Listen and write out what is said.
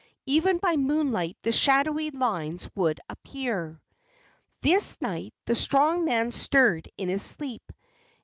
Even by moonlight the shadowy lines would appear. This night the strong man stirred in his sleep.